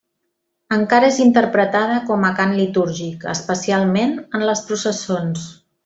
Encara és interpretada com a cant litúrgic, especialment en les processons.